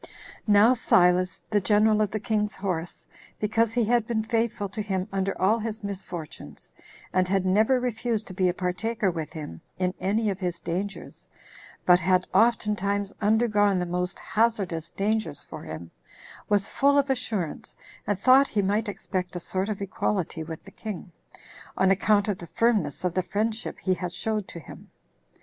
1. Now Silas, the general of the king's horse, because he had been faithful to him under all his misfortunes, and had never refused to be a partaker with him in any of his dangers, but had oftentimes undergone the most hazardous dangers for him, was full of assurance, and thought he might expect a sort of equality with the king, on account of the firmness of the friendship he had showed to him.